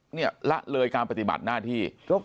เนี่ยละเลยการปฏิบัติหน้าที่